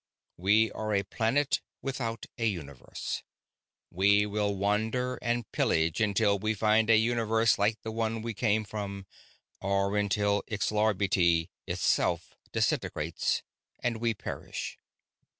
We are a planet without a universe. We will wander and pillage until we find a universe like the one we come from, or until Xlarbti itself disintegrates and we perish.